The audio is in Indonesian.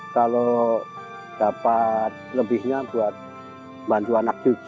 kalau dapat lebihnya buat bantu anak cucu